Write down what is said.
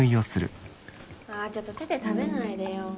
あちょっと手で食べないでよ。